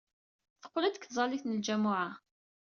Teqqel-d seg tẓallit n ljamuɛa.